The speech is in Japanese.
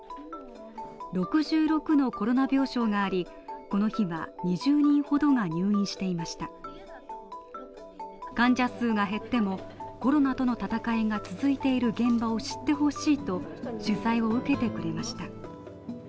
６６のコロナ病床があり、この日は２０人ほどが入院していました患者数が減っても、コロナとの闘いが続いている現場を知ってほしいと取材を受けてくれました。